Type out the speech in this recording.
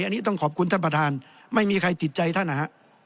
อันนี้ต้องขอบคุณท่านประธานไม่มีใครติดใจท่านนะฮะ